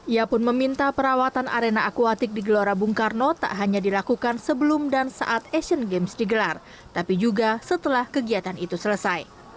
ia pun meminta perawatan arena akuatik di gelora bung karno tak hanya dilakukan sebelum dan saat asian games digelar tapi juga setelah kegiatan itu selesai